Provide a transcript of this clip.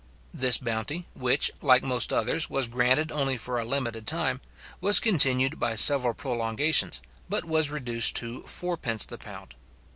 This bounty, which, like most others, was granted only for a limited time, was continued by several prolongations, but was reduced to 4d. the pound.